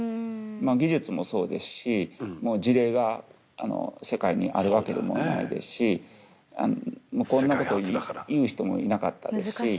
技術もそうですし事例が世界にあるわけでもないですしまぁこんなこと言う人もいなかったですし